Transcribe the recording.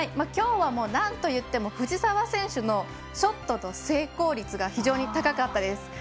今日はなんといっても藤澤選手のショットと成功率が非常に高かったです。